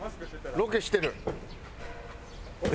ロケしてる。